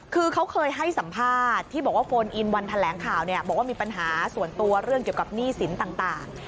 คือเขาเคยให้สัมภาษณ์ที่บอกว่าโฟนอินวันแถลงข่าวเนี่ยบอกว่ามีปัญหาส่วนตัวเรื่องเกี่ยวกับหนี้สินต่าง